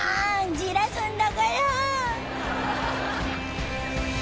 じらすんだから！